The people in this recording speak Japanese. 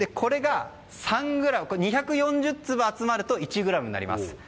２４０粒集まると１ｇになります。